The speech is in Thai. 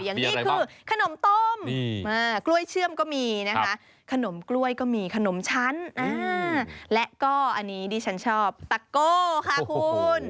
อย่างนี้คือขนมต้มกล้วยเชื่อมก็มีนะคะขนมกล้วยก็มีขนมชั้นและก็อันนี้ดิฉันชอบตะโก้ค่ะคุณ